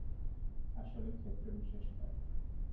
আসলে, ক্ষেত্রবিশেষে হয়।